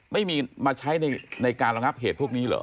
ไม่มีมาใช้ในการระงับเหตุพวกนี้เหรอ